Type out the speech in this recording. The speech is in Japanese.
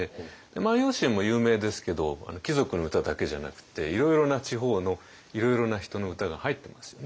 「万葉集」も有名ですけど貴族の歌だけじゃなくていろいろな地方のいろいろな人の歌が入ってますよね。